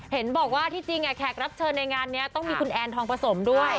เห็นบอกว่าที่จริงแขกรับเชิญในงานนี้ต้องมีคุณแอนทองผสมด้วย